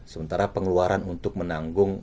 sementara pengeluaran untuk menanggung